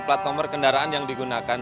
plat nomor kendaraan yang digunakan